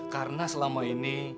karena selama ini